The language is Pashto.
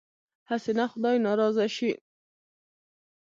هسې نه خدای ناراضه شي.